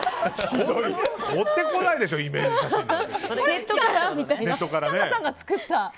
持ってこないでしょイメージ写真なんて。